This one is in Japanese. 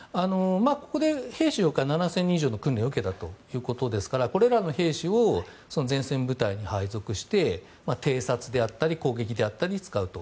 ここで兵士が７０００人以上訓練を受けたということですからこれらの兵士を前線部隊に配属して偵察であったり攻撃であったりに使うと。